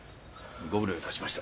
ご無礼をいたしました。